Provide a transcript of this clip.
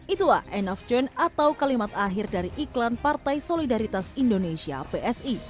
itulah end of turn atau kalimat akhir dari iklan partai solidaritas indonesia pse